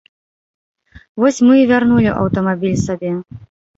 Вось мы і вярнулі аўтамабіль сабе.